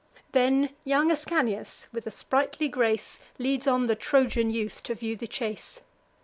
Then young Ascanius, with a sprightly grace, Leads on the Trojan youth to view the chase.